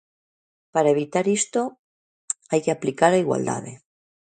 Para evitar isto hai que aplicar a igualdade.